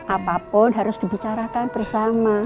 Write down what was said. apapun harus dibicarakan bersama